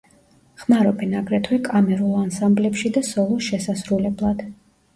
ხმარობენ აგრეთვე კამერულ ანსამბლებში და სოლოს შესასრულებლად.